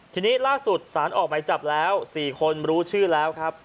ทีนี้ล่าสุดสารออกหมายจับแล้ว๔คนรู้ชื่อแล้วครับ